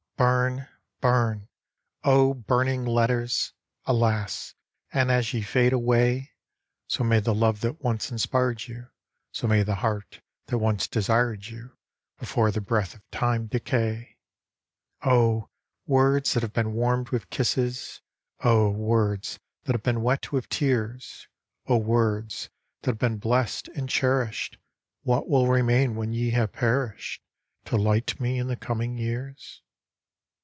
BURN, bum, oh ! burning letters ! Alas ! and as ye fade away, So may the love that once inspired you, So may the heart that once desired you, Before the breath of Time decay ! Oh ! words that have been warm'd with kisses ! Oh ! words that have been wet with tears ! Oh ! words that have been bless'd and cherished ! What will remain, when ye have perished. To light me in the coming years?